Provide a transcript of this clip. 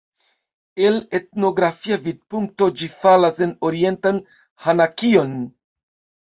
El etnografia vidpunkto ĝi falas en orientan Hanakion.